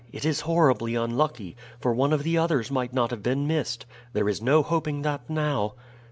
"It is horribly unlucky, for one of the others might not have been missed. There is no hoping that now."